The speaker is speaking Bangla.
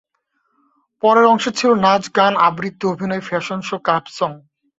পরের অংশে ছিল নাচ, গান, আবৃত্তি, অভিনয়, ফ্যাশন শো, কাপ সং।